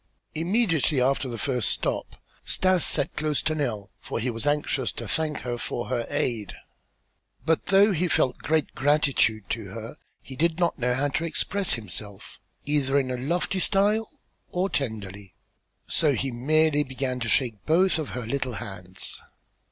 Immediately after the first stop Stas sat close to Nell for he was anxious to thank her for her aid. But though he felt great gratitude to her he did not know how to express himself, either in a lofty style or tenderly; so he merely began to shake both of her little hands.